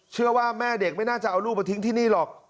แม่เด็กไม่น่าจะเอาลูกมาทิ้งที่นี่หรอก